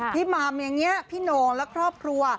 พี่หม่ำอย่างนี้พี่หนงและครอบครัว